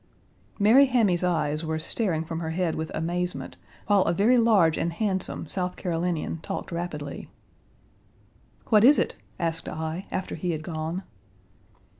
Mary Hammy's eyes were starting from her head with amazement, while a very large and handsome South Carolinian talked rapidly. "What is it?" asked I after he had gone.